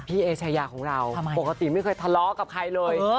เอชายาของเราปกติไม่เคยทะเลาะกับใครเลย